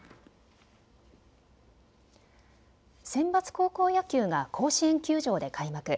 センバツ高校野球が甲子園球場で開幕。